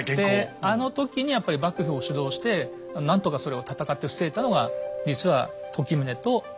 あの時にやっぱり幕府を主導して何とかそれを戦って防いだのが実は時宗と政村なんですね。